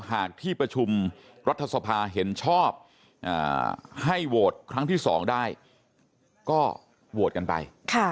หากที่ประชุมรัฐสภาเห็นชอบให้โหวตครั้งที่๒ได้ก็โหวตกันไป